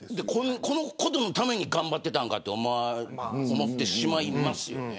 このことのために頑張っていたのかと思ってしまいますよね。